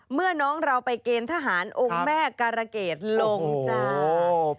เมื่อน้องเราไปเกณฑ์ทหารองค์แม่การะเกดลงจ้า